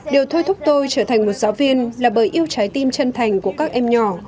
điều thôi thúc tôi trở thành một giáo viên là bởi yêu trái tim chân thành của các em nhỏ